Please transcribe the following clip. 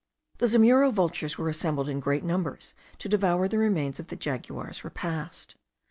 The zamuro vultures were assembled in great numbers to devour the remains of the jaguar's repast.